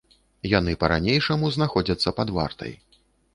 Яны па-ранейшаму знаходзяцца пад вартай.